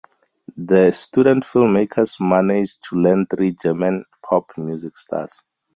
The student filmmakers managed to land three German pop music stars.